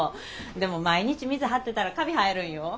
でも毎日水張ってたらカビ生えるんよ。